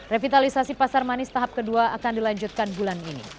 revitalisasi pasar manis tahap kedua akan dilanjutkan bulan ini